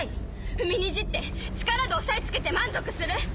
踏みにじって力で押さえつけて満足する？